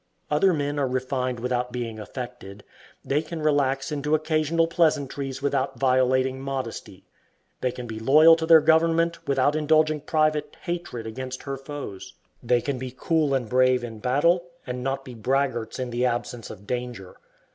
Other men are refined without being affected. They can relax into occasional pleasantries without violating modesty. They can be loyal to their government without indulging private hatred against her foes. They can be cool and brave in battle, and not be braggarts in the absence of danger.